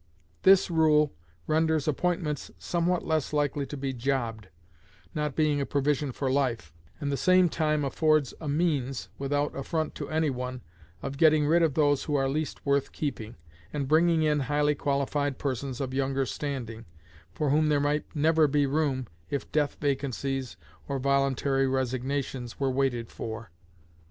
This rule renders appointments somewhat less likely to be jobbed, not being a provision for life, and the same time affords a means, without affront to any one, of getting rid of those who are least worth keeping, and bringing in highly qualified persons of younger standing, for whom there might never be room if death vacancies, or voluntary resignations were waited for.